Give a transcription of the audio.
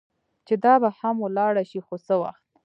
چې دا به هم ولاړه شي، خو څه وخت.